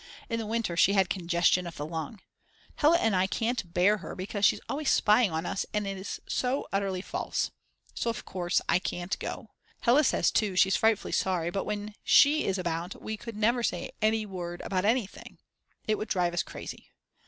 In the winter she had congestion of the lung. Hella and I can't bear her because she's always spying on us and is so utterly false. So of course I can't go. Hella says too she's frightfully sorry, but when she is about we could never say a word about anything, it would drive us crazy.